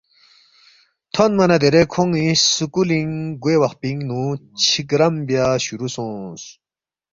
تھونما نہ دیرے کھون٘ی سکُولِنگ گوے وخ پِینگ نُو چھیگرَم بیا شروع سونگس